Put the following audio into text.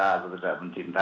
kan kita sudah tidak bercinta